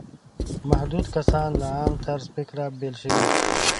محدود کسان له عام طرز فکره بېل شوي.